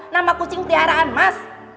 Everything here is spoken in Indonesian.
nama kucing peliharaan mas